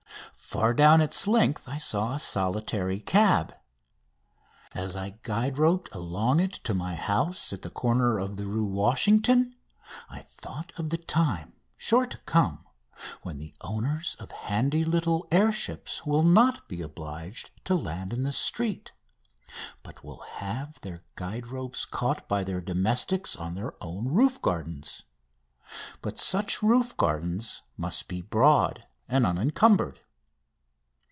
Far down its length I saw a solitary cab. As I guide roped along it to my house at the corner of the Rue Washington I thought of the time, sure to come, when the owners of handy little air ships will not be obliged to land in the street, but will have their guide ropes caught by their domestics on their own roof gardens. But such roof gardens must be broad and unencumbered.